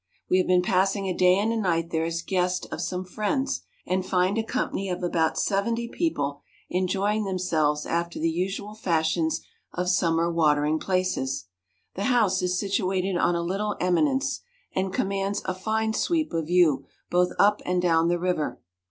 We have been passing a day and night there as guest of some friends, and find a company of about seventy people enjoying themselves after the usual fashions of summer watering places. The house is situated on a little eminence, and commands a fine sweep of view both up and down the river.